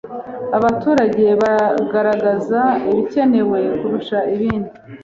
abaturage bagaragaza ibikenewe kurusha ibindi